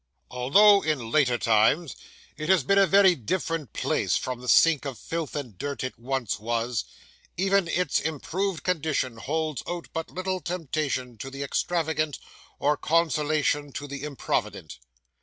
Although in later times it has been a very different place from the sink of filth and dirt it once was, even its improved condition holds out but little temptation to the extravagant, or consolation to the improvident.